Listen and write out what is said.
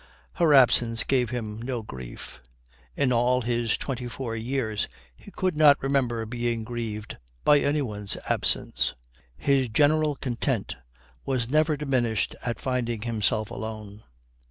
Her absence gave him no grief. In all his twenty four years he could not remember being grieved by anyone's absence. His general content was never diminished at finding himself alone.